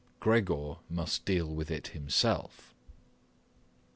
Gregor must deal with it himself.